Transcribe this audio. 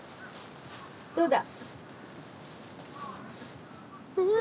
どうだ。